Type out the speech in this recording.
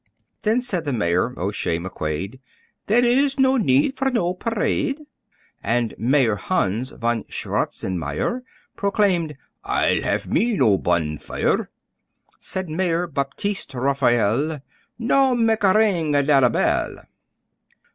Then said the Mayor O'Shay McQuade, "Thayre uz no nade fur no perade." And Mayor Hans Von Schwartzenmeyer Proclaimed, "I'll haf me no bonfier!" Said Mayor Baptiste Raphael "No make a ring a dat a bell!"